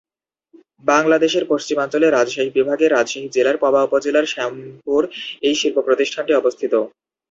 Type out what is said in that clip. বাংলাদেশের পশ্চিমাঞ্চলের রাজশাহী বিভাগের রাজশাহী জেলার পবা উপজেলার শ্যামপুর এই শিল্প প্রতিষ্ঠানটি অবস্থিত।